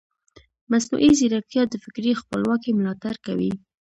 مصنوعي ځیرکتیا د فکري خپلواکۍ ملاتړ کوي.